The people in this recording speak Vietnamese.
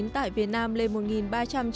tại việt nam đều được cách ly ngay sau khi nhập cảnh